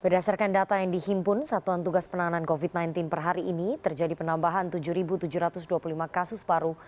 berdasarkan data yang dihimpun satuan tugas penanganan covid sembilan belas per hari ini terjadi penambahan tujuh tujuh ratus dua puluh lima kasus baru